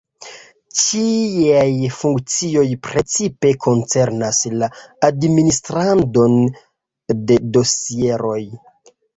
Ĝiaj funkcioj precipe koncernas la administradon de dosieroj.